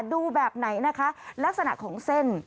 ดูแบบไหนนะคะลักษณะของเส้น